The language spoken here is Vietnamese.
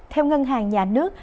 theo ngân hàng nhà nước